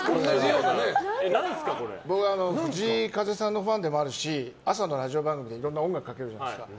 僕藤井風さんのファンでもあるし朝のラジオ番組でいろんな音楽かけるじゃないですか。